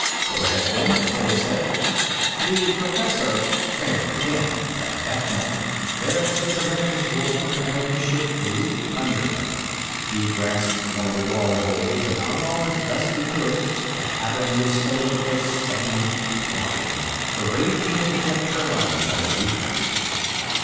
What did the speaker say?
"Go ahead, then," Gross said. "The Professor " Kramer began, but at that moment there was a tremendous roar and the ship leaped under him. He grasped one of the wall holds and hung on as best he could. The cabin was filling with a steady throbbing, the raging of the jet turbines underneath them.